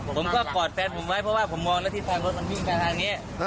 ผมก็กอดแฟนผมไว้เพราะว่าผมมองแล้วที่ฝั่งรถมันวิ่งกันทางนี้อ่า